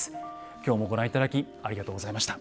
今日もご覧いただきありがとうございました。